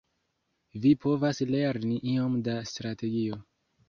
Vi povas lerni iom da strategio.